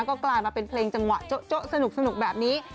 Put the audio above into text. ก็กลายมาเป็นเพลงจังหวะโจ๊ะสนุกแบบนี้